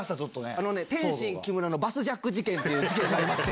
あのね、天津・木村のバスジャック事件というのがありまして。